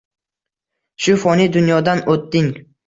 Shu foniy dunyodan o‘tding.